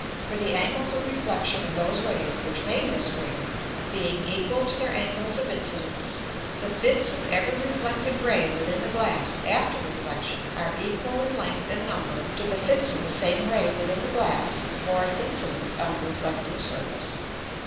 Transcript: For the Angles of Reflexion of those Rays which made this Ring, being equal to their Angles of Incidence, the Fits of every reflected Ray within the Glass after Reflexion are equal in length and number to the Fits of the same Ray within the Glass before its Incidence on the reflecting Surface.